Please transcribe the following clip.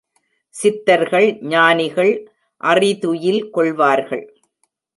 சித்தர்கள், ஞானிகள், அறிதுயில் கொள்வார்கள்.